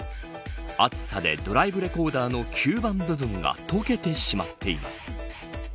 暑さでドライブレコーダーの吸盤部分が溶けてしまっています。